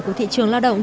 của thị trường lao động